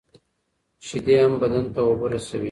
شیدې هم بدن ته اوبه رسوي.